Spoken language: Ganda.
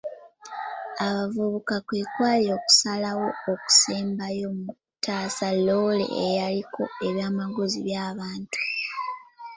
Abavubuka kwe kwali okusalawo okusembayo mu kutaasa loole eyaliko ebyamaguzi by'abantu.